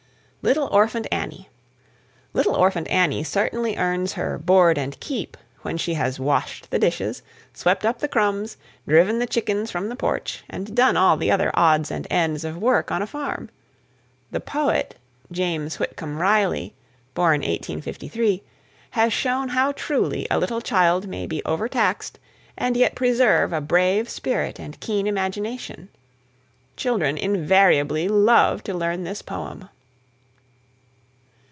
LITTLE ORPHANT ANNIE. "Little Orphant Annie" certainly earns her "board and keep" when she has "washed the dishes," "swept up the crumbs," "driven the chickens from the porch," and done all the other odds and ends of work on a farm. The poet, James Whitcomb Riley (1853 ), has shown how truly a little child may be overtaxed and yet preserve a brave spirit and keen imagination. Children invariably love to learn this poem.